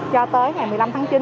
cho tới ngày một mươi năm tháng chín